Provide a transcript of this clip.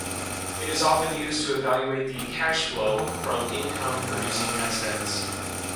It is often used to evaluate the cash flow from income-producing assets.